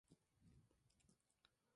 Estos cinco meses fueron tiempos difíciles.